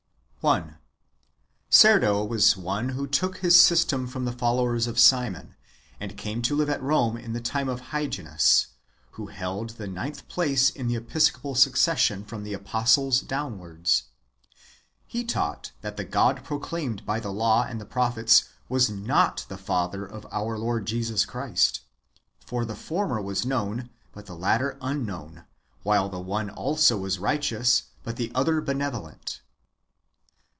1. Cerdo was one who took his system from the followers of Simon, and came to live at Rome in the time of Hyginus, who held the* ninth place in the episcopal succession from the apostles downwards. He taught that the God pro claimed by the law and the prophets was not the father of our Lord Jesus Christ. For the former was known, but the latter unknown ; while the one also was righteous, but the other benevolent.